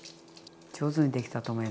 上手にできたと思います。